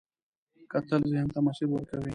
کتل ذهن ته مسیر ورکوي